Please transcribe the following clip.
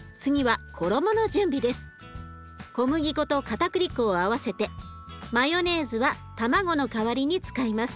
小麦粉とかたくり粉を合わせてマヨネーズは卵の代わりに使います。